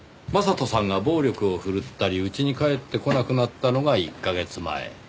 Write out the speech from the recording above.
将人さんが暴力を振るったりうちに帰ってこなくなったのが１カ月前。